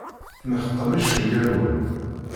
Tmeḥqem icenga-nwen.